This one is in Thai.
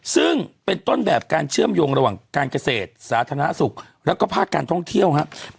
ซึ่งเป็นต้นแบบการเชื่อมโยงระหว่างการเกษตรสาธารณสุขแล้วก็ภาคการท่องเที่ยวครับ